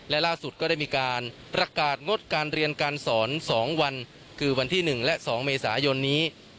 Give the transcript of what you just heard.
และล่าสุดก็ได้มีการประกาศงดการเรียนการสอน๒วันคือวันที่๑และ๒เมษายนนี้